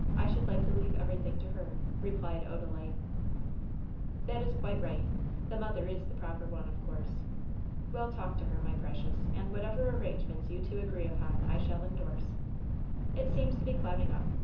I should like to leave everything to her," replied Odalite. "That is quite right. The mother is the proper one, of course. Well, talk to her, my precious, and whatever arrangements you two agree upon I shall indorse. It seems to be clouding up.